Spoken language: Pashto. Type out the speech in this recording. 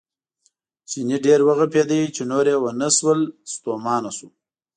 چیني ډېر وغپېد چې نور یې ونه شول ستومانه شو.